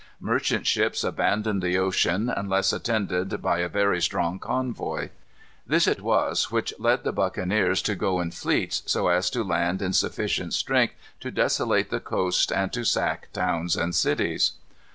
Merchant ships abandoned the ocean, unless attended by a very strong convoy. This it was which led the buccaneers to go in fleets, so as to land in sufficient strength to desolate the coasts and to sack towns and cities.